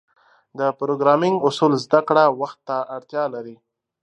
د پروګرامینګ اصول زدهکړه وخت ته اړتیا لري.